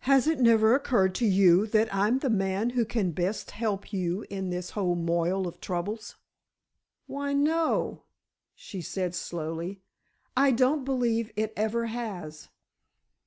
Has it never occurred to you that I'm the man who can best help you in this whole moil of troubles?" "Why, no," she said, slowly, "I don't believe it ever has."